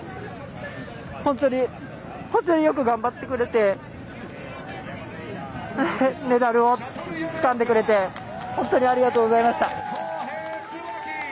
本当に本当によく頑張ってくれてメダルをつかんでくれて本当にありがとうございました。